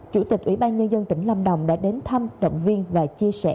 chủ tịch ủy ban nhân dân tỉnh lâm đồng đã đến thăm động viên và chia sẻ